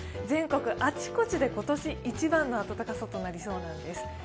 全国、あちこちで今年一番の暖かさとなりそうなんです。